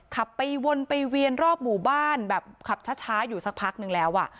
ขับไปวนไปเวียนรอบหมู่บ้านแบบขับช้าอยู่สักพักนึงแล้วอ่ะ